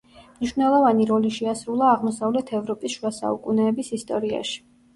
მნიშვნელოვანი როლი შეასრულა აღმოსავლეთ ევროპის შუა საუკუნეების ისტორიაში.